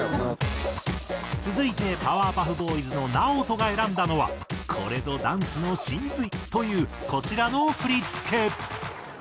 続いてパワーパフボーイズのｎａｏｔｏが選んだのはこれぞダンスの神髄というこちらの振付。